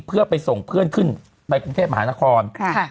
เพื่อไปส่งเพื่อนขึ้นไปกรุงเทพมหานคร